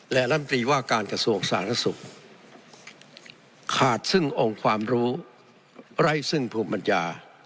และรันตรีว่าการกระทรวงศาลนักศึกษ์ขาดซึ่งองค์ความรู้ไร้ซึ่งภูมิบัญญา